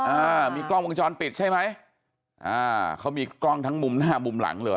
อ่ามีกล้องวงจรปิดใช่ไหมอ่าเขามีกล้องทั้งมุมหน้ามุมหลังเลย